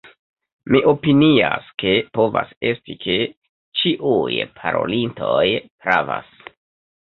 Mi opinias, ke povas esti, ke ĉiuj parolintoj pravas.